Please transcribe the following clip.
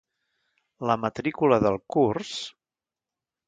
La matrícula del curs...